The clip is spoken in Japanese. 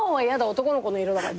男の子の色だから」